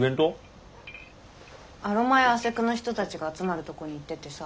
アロマやアセクの人たちが集まるとこに行っててさ。